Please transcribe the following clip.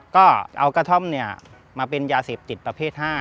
ก็เอากระท่อมมาเป็นยาเสพติดประเภท๕